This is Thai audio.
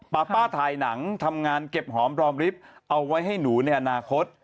ป้าป้าถ่ายหนังทำงานเก็บหอมรอมริฟต์เอาไว้ให้หนูในอนาคต